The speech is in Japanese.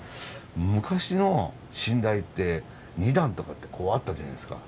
昔の寝台って２段とかってこうあったじゃないですか。